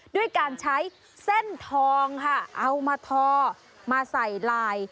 ด้วยการใช้เส้นทองค่ะเอามาทอมาใส่ลาย